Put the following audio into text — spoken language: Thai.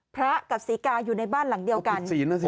พระกับศรีกาอยู่ในบ้านหลังเดียวกัน